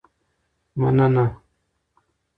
مننه.